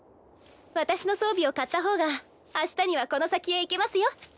私の装備を買ったほうがあしたにはこの先へ行けますよ。